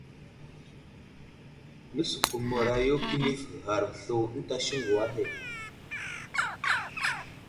Nəsəkumərayo kəlif ghar slu ənta siŋgu ahe.